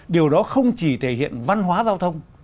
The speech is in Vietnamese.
điều đó không chỉ thể hiện văn hóa giao thông